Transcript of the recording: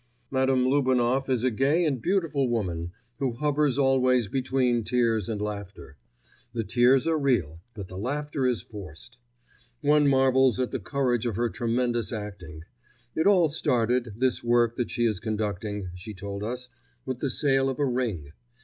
Madame Lubinoff is a gay and beautiful woman, who hovers always between tears and laughter. The tears are real, but the laughter is forced. One marvels at the courage of her tremendous acting. It all started, this work that she is conducting, she told us, with the sale of a ring.